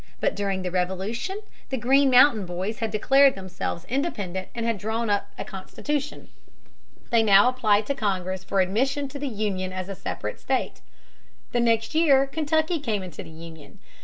But during the Revolution the Green Mountain Boys had declared themselves independent and had drawn up a constitution. They now applied to Congress for admission to the Union as a separate state. The next year Kentucky came into the Union.